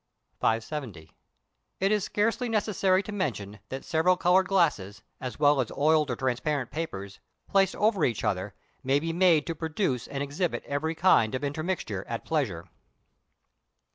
570. It is scarcely necessary to mention that several coloured glasses, as well as oiled or transparent papers, placed over each other, may be made to produce and exhibit every kind of intermixture at pleasure.